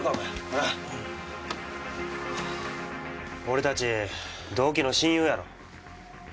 俺たち同期の親友やろ。